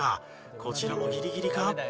こちらもギリギリか？